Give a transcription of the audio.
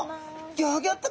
ギョギョッと！